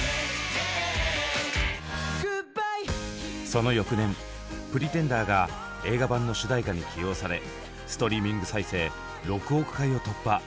その翌年「Ｐｒｅｔｅｎｄｅｒ」が映画版の主題歌に起用されストリーミング再生６億回を突破。